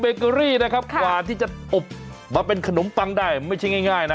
เกอรี่นะครับกว่าที่จะอบมาเป็นขนมปังได้ไม่ใช่ง่ายนะ